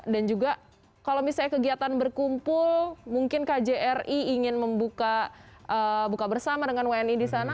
dan juga kalau misalnya kegiatan berkumpul mungkin kjri ingin membuka bersama dengan wni di sana